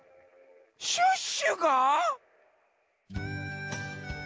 シュッシュが？